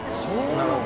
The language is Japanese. なるほど。